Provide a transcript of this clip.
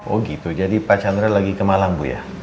oh gitu jadi pak chandra lagi ke malang bu ya